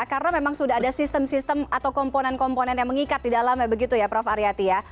karena memang sudah ada sistem sistem atau komponen komponen yang mengikat di dalamnya begitu ya prof aryati ya